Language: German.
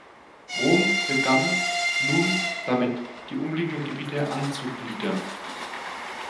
Rom begann nun damit, die umliegenden Gebiete anzugliedern.